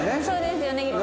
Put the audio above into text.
そうですよね。